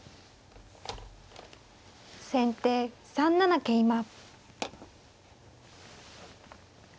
先手３七桂馬。